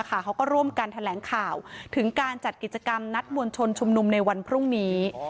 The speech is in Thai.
เขาก็ร่วมกันแถลงข่าวถึงการจัดกิจกรรมนัดมวลชนชุมนุมในวันพรุ่งนี้